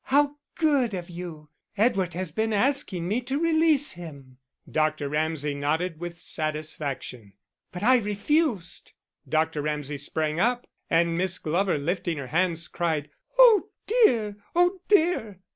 How good of you! Edward has been asking me to release him." Dr. Ramsay nodded with satisfaction. "But I refused!" Dr. Ramsay sprang up, and Miss Glover, lifting her hands, cried: "Oh, dear! Oh, dear!"